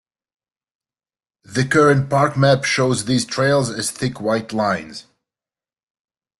The current park map shows these trails as thick white lines.